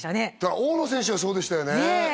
大野選手はそうでしたよねねえ